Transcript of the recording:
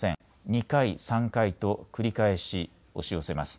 ２回、３回と繰り返し押し寄せます。